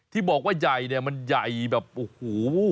ที่บอกว่ายายเนี่ยมันยายแบบโอ้โห